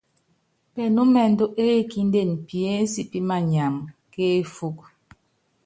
Pɛnúmɛndú ékíndene piénsi pímanyam kéfúku.